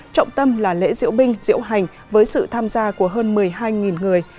trọng tâm là lễ diễu binh diễu hành với sự tham gia của hơn một mươi hai người